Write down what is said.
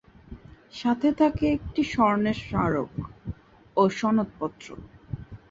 সাথে থাকে একটি স্বর্ণের স্মারক ও সনদপত্র।